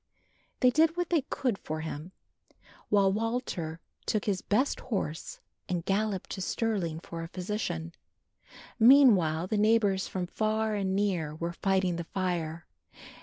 They did what they could for him, while Walter took his best horse and galloped to Stirling for a physician. Meanwhile the neighbours from far and near were fighting the fire.